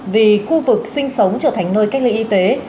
vì khu vực sinh sống trở thành nơi cách ly y tế